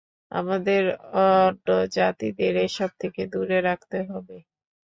আমাদের অন্য জাতিদের এসব থেকে দূরে রাখতে হবে।